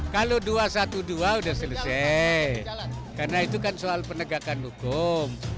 kalau dua ratus dua belas sudah selesai karena itu kan soal penegakan hukum